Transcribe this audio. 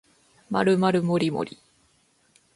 まるまるもりもり